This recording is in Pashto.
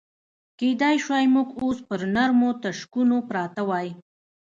کېدای شوای موږ اوس پر نرمو تشکونو پراته وای.